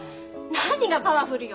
何がパワフルよ。